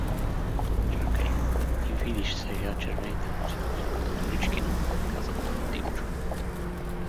— Чакай, ти видиш сега червените бузи на Милка Тодоричкина — каза поп Димчо.